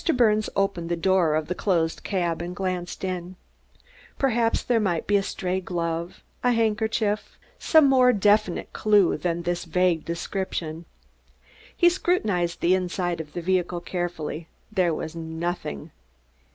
Mr. Birnes opened the door of the closed cab and glanced in. Perhaps there might be a stray glove, a handkerchief, some more definite clew than this vague description. He scrutinized the inside of the vehicle carefully; there was nothing.